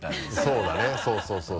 そうだねそうそう。